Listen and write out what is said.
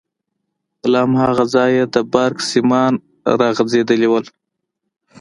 له هماغه ځايه د برق سيمان راغځېدلي وو.